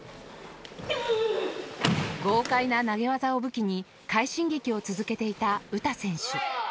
豪快な投げ技を武器に快進撃を続けていた詩選手。